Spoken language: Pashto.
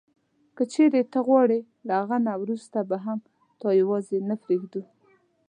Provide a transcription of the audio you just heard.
که چیري ته غواړې له هغه نه وروسته به هم تا یوازي نه پرېږدو.